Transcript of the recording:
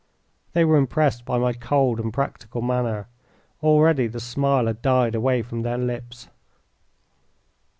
They were impressed by my cold and practical manner. Already the smile had died away from their lips.